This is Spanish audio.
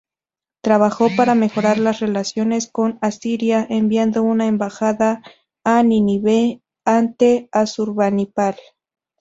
Trabajó para mejorar las relaciones con Asiria, enviando una embajada a Nínive ante Asurbanipal.